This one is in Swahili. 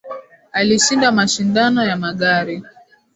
Alishinda mashindano ya magari